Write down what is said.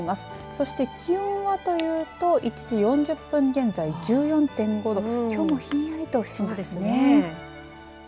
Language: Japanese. そして気温はというと１時４０分現在１４．５度きょうもひんやりとしますね。